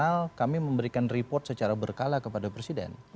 di internal kami memberikan report secara berkala kepada presiden